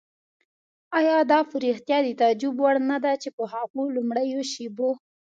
آیا دا په رښتیا د تعجب وړ نه ده چې په هغو لومړیو شېبو.